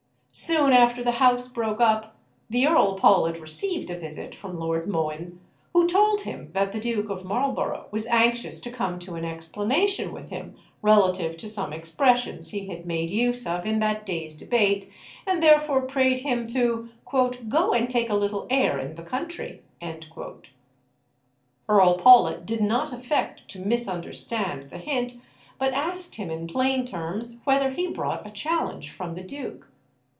Soon after the House broke up, the Earl Pawlet received a visit from Lord Mohun, who told him that the Duke of Marlborough was anxious to come to an explanation with him relative to some expressions he had made use of in that day's debate, and therefore prayed him to "go and take a little air in the country." Earl Pawlet did not affect to misunderstand the hint, but asked him in plain terms whether he brought a challenge from the duke.